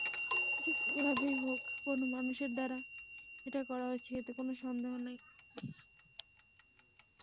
যেকোনোভাবেই হোক কোনো মানুষের দ্বারা এটা করা হয়েছে, এতে কোনো সন্দেহ নেই।